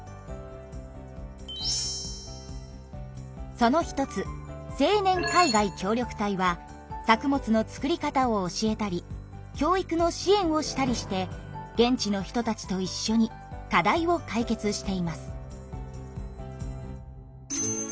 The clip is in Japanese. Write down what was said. その一つ青年海外協力隊は作物の作り方を教えたり教育の支援をしたりして現地の人たちといっしょに課題を解決しています。